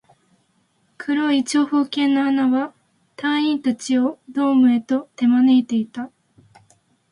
黒い長方形の穴は、隊員達をドームへと手招いていた